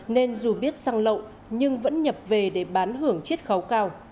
nên dù biết xăng lậu nhưng vẫn nhập về để bán hưởng triết khấu cao